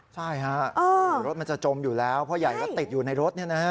ใช่ค่ะรถมันจะจมอยู่แล้วเพราะใหญ่ก็ติดอยู่ในรถเนี่ยนะฮะ